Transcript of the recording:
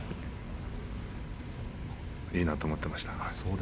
いいなと思っていました。